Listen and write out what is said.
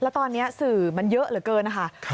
แล้วตอนนี้สื่อมันเยอะเหลือเกินนะคะ